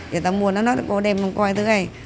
dì tạo mua nó nói cô đem con coi thứ này